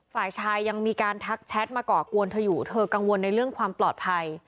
ฝ่ายชายยังมีการทักแชทมาก่อกวนเธออยู่เธอกังวลในเรื่องความปลอดภัย